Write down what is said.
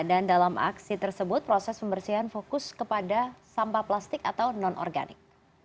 dan dalam aksi tersebut proses pembersihan fokus kepada sampah plastik atau non organik